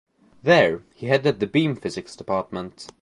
There he headed the Beam Physics department.